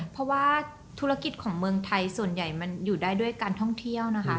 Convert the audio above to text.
เพราะว่าธุรกิจของเมืองไทยส่วนใหญ่มันอยู่ได้ด้วยการท่องเที่ยวนะคะ